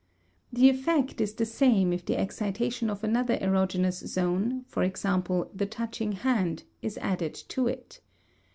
The effect is the same if the excitation of another erogenous zone, e.g., the touching hand, is added to it.